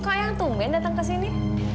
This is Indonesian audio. kok eang tumen datang kesini